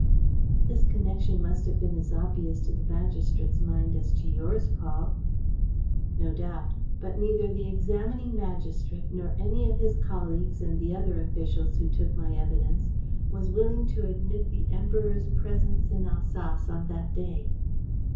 "But this connection must have been as obvious to the magistrate's mind as to yours, Paul." "No doubt; but neither the examining magistrate nor any of his colleagues and the other officials who took my evidence was willing to admit the Emperor's presence in Alsace on that day."